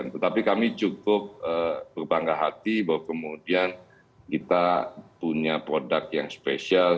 tetapi kami cukup berbangga hati bahwa kemudian kita punya produk yang spesial